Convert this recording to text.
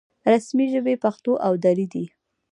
رسمي ژبې پښتو او دري دي